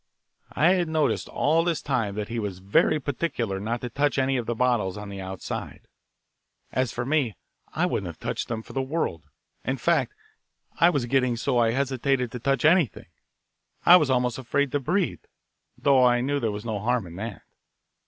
I had noticed all this time that he was very particular not to touch any of the bottles on the outside. As for me, I wouldn't have touched them for the world. In fact, I was getting so I hesitated to touch anything. I was almost afraid to breathe, though I knew there was no harm in that.